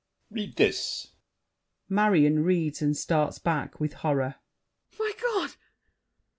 Read this! MARION (reads, and starts back with horror). My God!